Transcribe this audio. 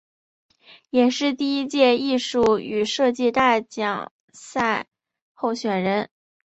也是第一届艺术与设计大奖赛候选人。